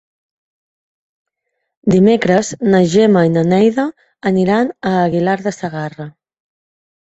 Dimecres na Gemma i na Neida aniran a Aguilar de Segarra.